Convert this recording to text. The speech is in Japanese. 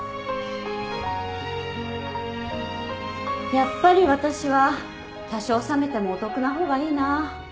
やっぱり私は多少冷めてもお得な方がいいな。